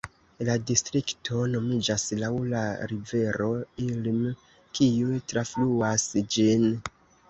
La distrikto nomiĝas laŭ la rivero Ilm, kiu trafluas ĝin.